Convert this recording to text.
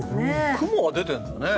雲は出てるんだね。